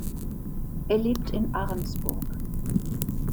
Er lebt in Ahrensburg.